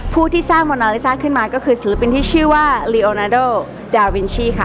ผู้ที่สร้างมอนาลิซ่าขึ้นมาก็คือศิลปินที่ชื่อว่าลีโอนาโดดาวินชี่ค่ะ